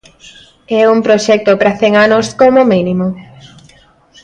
É un proxecto para cen anos, como mínimo.